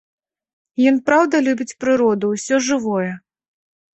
Ён праўда любіць прыроду, усё жывое.